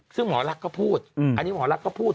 ซึ่งหมอลักษณ์ก็พูดอันนี้หมอลักษณ์ก็พูด